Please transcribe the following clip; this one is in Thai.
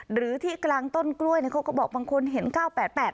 หรือที่กลางต้นกล้วยเนี่ยเขาก็บอกบางคนเห็นเก้าแปดแปด